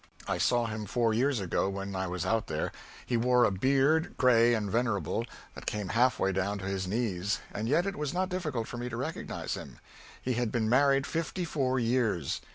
I saw him four years ago when I was out there. He wore a beard, gray and venerable, that came half way down to his knees, and yet it was not difficult for me to recognize him. He had been married fifty four years.